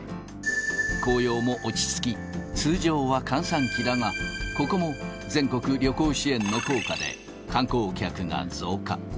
紅葉も落ち着き、通常は閑散期だが、ここも全国旅行支援の効果で、観光客が増加。